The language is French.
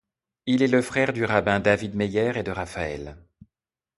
Il est le frère du rabbin David Meyer et de Raphaël.